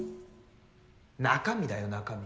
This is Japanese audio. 中身だよ中身。